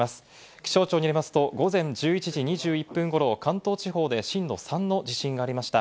気象庁によりますと、午前１１時２１分頃、関東地方で震度３の地震がありました。